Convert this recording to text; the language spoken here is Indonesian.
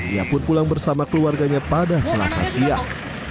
ia pun pulang bersama keluarganya pada selasa siang